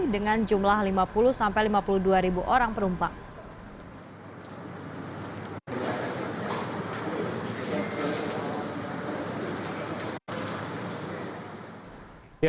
dengan jumlah lima puluh sampai lima puluh dua ribu orang penumpang